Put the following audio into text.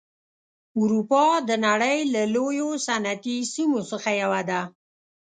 اروپا د نړۍ له لویو صنعتي سیمو څخه یوه ده.